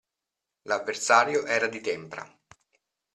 L'avversario era di tempra.